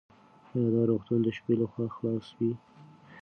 ایا دا روغتون د شپې لخوا خلاص وي؟